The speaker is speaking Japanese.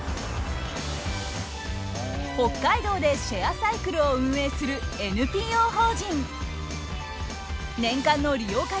北海道でシェアサイクルを運営するＮＰＯ法人。